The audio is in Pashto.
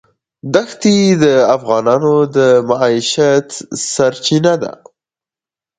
دښتې د افغانانو د معیشت سرچینه ده.